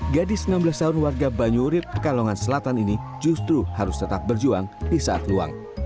gadis enam belas tahun warga banyurit pekalongan selatan ini justru harus tetap berjuang di saat luang